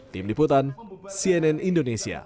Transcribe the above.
tim diputan cnn indonesia